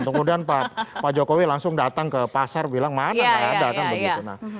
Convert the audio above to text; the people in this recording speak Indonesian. kemudian pak jokowi langsung datang ke pasar bilang mana nggak ada kan begitu